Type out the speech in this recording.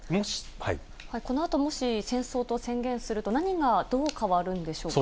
このあともし、戦争と宣言すると、何がどう変わるんでしょうか。